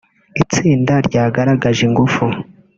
itsinda ryagaragaje ingufu